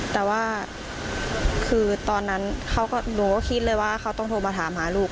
แต่ว่าคือตอนนั้นหนูก็คิดเลยว่าเขาต้องโทรมาถามหาลูก